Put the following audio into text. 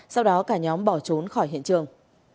sau đó cả nhóm bỏ trốn khỏi hiện trường